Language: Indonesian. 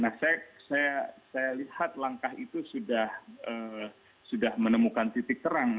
nah saya lihat langkah itu sudah menemukan titik terang